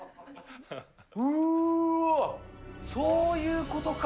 うーわっ、そういうことか。